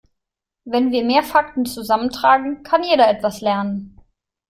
Wenn wir mehr Fakten zusammentragen, kann jeder was lernen.